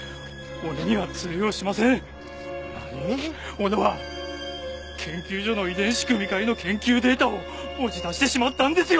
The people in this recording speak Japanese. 俺は研究所の遺伝子組み換えの研究データを持ち出してしまったんですよ！